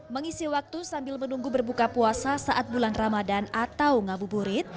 mengisi waktu sambil menunggu berbuka puasa saat bulan ramadan atau ngabuburit